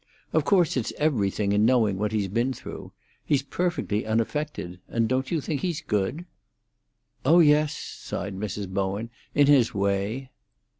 Of course it's everything in knowing what he's been through. He's perfectly unaffected; and don't you think he's good?" "Oh yes," sighed Mrs. Bowen. "In his way."